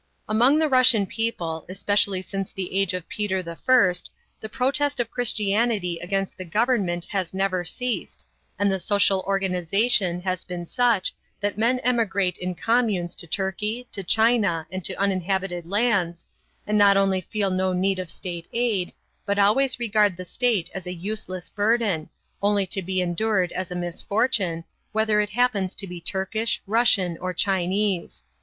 Among the Russian people, especially since the age of Peter I., the protest of Christianity against the government has never ceased, and the social organization has been such that men emigrate in communes to Turkey, to China, and to uninhabited lands, and not only feel no need of state aid, but always regard the state as a useless burden, only to be endured as a misfortune, whether it happens to be Turkish, Russian, or Chinese.